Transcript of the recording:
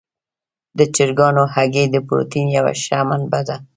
د چرګانو هګۍ د پروټین یوه ښه منبع ده.